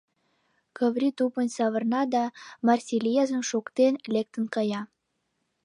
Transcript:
Каври тупынь савырна да, Марсельезым шоктен, лектын кая.